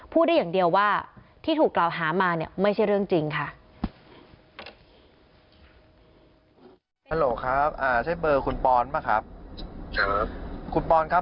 ได้อย่างเดียวว่าที่ถูกกล่าวหามาเนี่ยไม่ใช่เรื่องจริงค่ะ